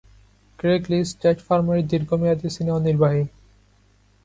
Craig Lee state ফার্মের দীর্ঘ মেয়াদী সিনিয়র নির্বাহী।